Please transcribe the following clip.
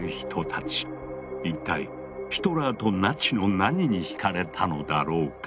一体ヒトラーとナチの何にひかれたのだろうか？